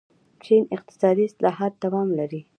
چین اقتصادي اصلاحات دوام لري.